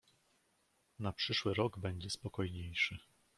"Na przyszły rok będzie spokojniejszy."